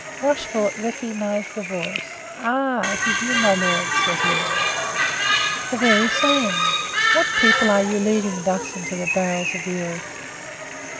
Rochefort recognized the voice. "Ah, it is you, my lord!" said he. "The very same. What people are you leading thus into the bowels of the earth?"